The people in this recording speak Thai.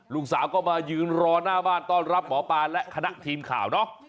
ลูกสาวก็มายืนรอหน้าบ้านต้อนรับหมอปลาและคณะทีมข่าวเนอะ